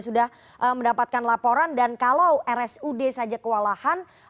sudah mendapatkan laporan dan kalau rsud saja kewalahan